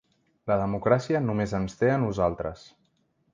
La democràcia només ens té a nosaltres.